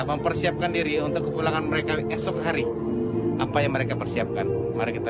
mempersiapkan diri untuk kepulangan mereka esok hari apa yang mereka persiapkan mari kita